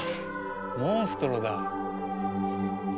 モンストロだ。